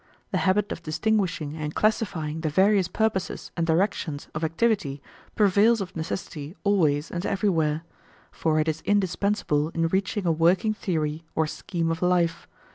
The habit of distinguishing and classifying the various purposes and directions of activity prevails of necessity always and everywhere; for it is indispensable in reaching a working theory or scheme of life.